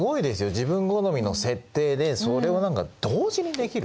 自分好みの設定でそれを同時にできる。